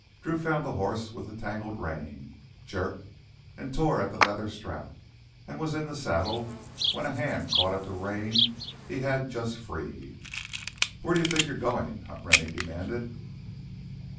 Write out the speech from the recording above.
Drew found the horse with the tangled rein, jerked and tore at the leather strap, and was in the saddle when a hand caught at the rein he had just freed. "Where do you think you're going?" Hunt Rennie demanded.